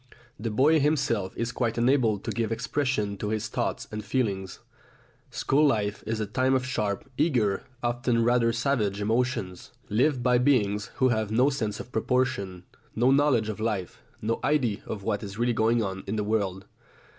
The boy himself is quite unable to give expression to his thoughts and feelings; school life is a time of sharp, eager, often rather savage emotions, lived by beings who have no sense of proportion, no knowledge of life, no idea of what is really going on in the world.